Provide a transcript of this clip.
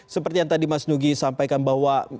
seperti yang tadi mas nugi sampaikan bahwa